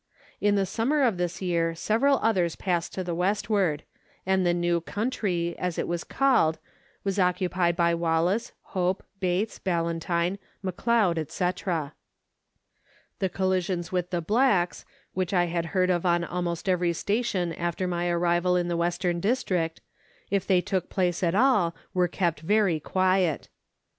In the sum mer of this year several others passed to the westward, and the "new country," as it was called, was occupied by Wallace, Hope, Bates, Ballantyne, McLeod, &c. The collisions with the blacks, which I had heard of on almost every station after my arrival in the Western District, if they took place at all, were kept very quiet.